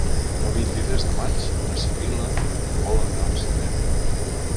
El vint-i-tres de maig na Sibil·la vol anar al cinema.